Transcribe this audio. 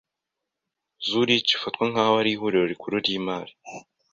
Zürich ifatwa nkaho ari ihuriro rikuru ryimari.